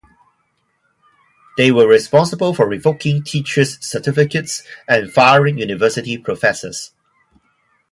They were responsible for revoking teachers' certificates and firing university professors.